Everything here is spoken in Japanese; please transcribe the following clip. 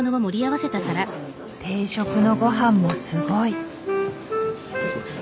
定食のごはんもすごい。